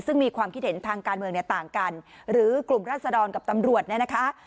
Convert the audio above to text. ซึ่งมีความคิดเห็นทางการเมืองเนี่ยต่างกันหรือกลุ่มรัศดรกับตำรวจเนี่ยนะคะ